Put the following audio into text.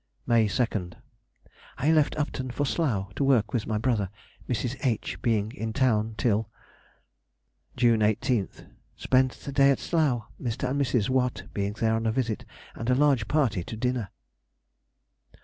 May 2nd.—I left Upton for Slough, to work with my brother. Mrs. H. being in town till June 18th.—Spent the day at Slough, Mr. and Mrs. Watt being there on a visit, and a large party to dinner.